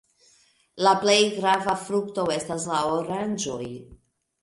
La plej grava frukto estas la oranĝoj.